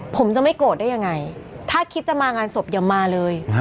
ผมจะไม่โกรธได้ยังไงถ้าคิดจะมางานศพอย่ามาเลย